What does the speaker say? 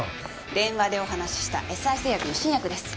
電話でお話ししたエスアイ製薬の新薬です。